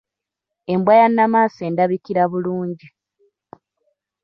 Embwa ya namaso endabikira bulungi.